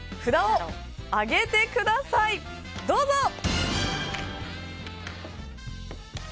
札を挙げてください、どうぞ。